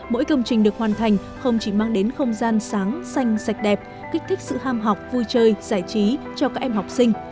mỗi công trình được hoàn thành không chỉ mang đến không gian sáng xanh sạch đẹp kích thích sự ham học vui chơi giải trí cho các em học sinh